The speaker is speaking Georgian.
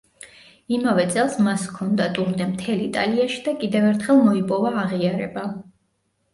იმავე წელს მას ჰქონდა ტურნე მთელ იტალიაში და კიდევ ერთხელ მოიპოვა აღიარება.